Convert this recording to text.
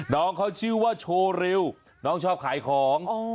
น้องเขาชื่อว่าโชว์ริวน้องชอบขายของ